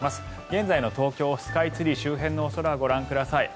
現在の東京スカイツリー周辺のお空ご覧ください。